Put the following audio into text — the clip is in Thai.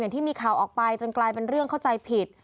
ที่มีข่าวออกไปจนกลายเป็นเรื่องเข้าใจผิด